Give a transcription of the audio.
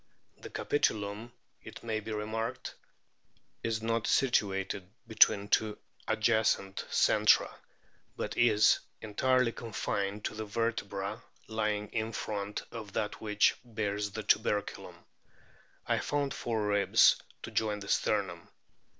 The capitulum, it may be remarked, is not situated between two adjacent centra, but is entirely confined to the vertebra lying in front of that which bears the tuberculum. I found four ribs to join the sternum.